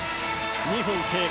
２分経過。